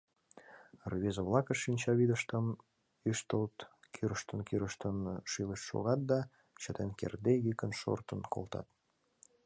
Рвезе-влакышт шинчавӱдыштым ӱштылыт, кӱрыштын-кӱрыштын шӱлешт шогат да, чытен кертде, йӱкын шортын колтат.